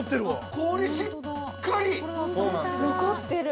◆氷しっかり◆残ってる。